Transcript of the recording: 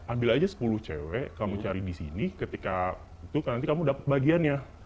ambil aja sepuluh cewek kamu cari di sini ketika itu nanti kamu dapat bagiannya